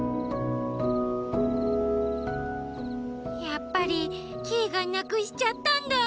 やっぱりキイがなくしちゃったんだ。